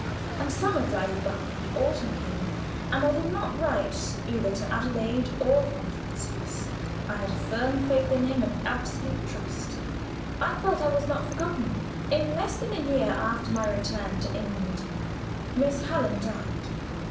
And summer glided by, and autumn came, and I did not write either to Adelaide or von Francius. I had a firm faith in him and absolute trust. I felt I was not forgotten. In less than a year after my return to England, Miss Hallam died.